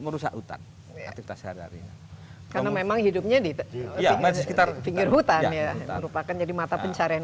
merusak hutan karena memang hidupnya di sekitar pinggir hutan ya merupakan jadi mata pencarian